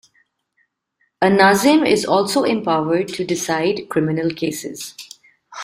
A "Nazim" is also empowered to decide criminal cases.